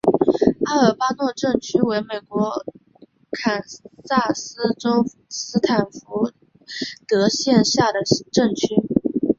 阿尔巴诺镇区为美国堪萨斯州斯塔福德县辖下的镇区。